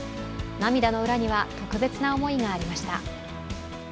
涙の裏には、特別な思いがありました。